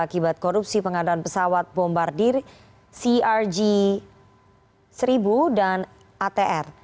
akibat korupsi pengadaan pesawat bombardir crg seribu dan atr